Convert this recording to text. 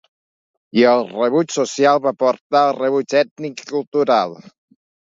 I el rebuig social va portar al rebuig ètnic i cultural.